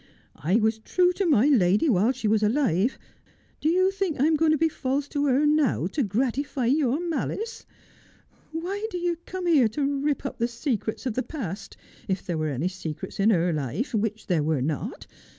' I was true to my lady while she was alive. Do you think I am going to be false to her now to gratify your malice 1 Why do you come here to rip up the secrets of the past 1 — if there were any secrets in her life —which there were not.